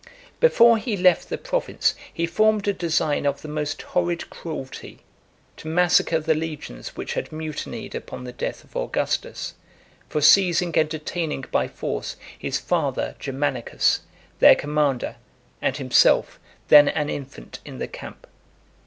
XLVIII. Before he left the province, he formed a design of the most horrid cruelty to massacre the legions which had mutinied upon the death of Augustus, for seizing and detaining by force his father, Germanicus, their commander, and himself, then an infant, in the camp.